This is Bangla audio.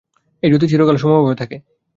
এই জ্যোতি চিরকাল সমভাবে থাকে।